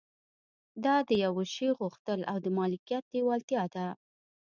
دا د يوه شي غوښتل او د مالکيت لېوالتيا ده.